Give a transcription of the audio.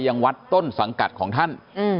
ยังวัดต้นสังกัดของท่าน